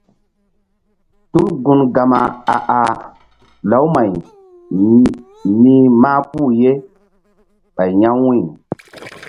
Tul gun Gama a ah lawmay ni̧h mahpuh ye ɓay ya̧ wu̧y.